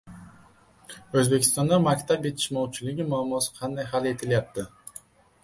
O‘zbekistonda maktab yetishmovchiligi muammosi qanday hal etilyapti?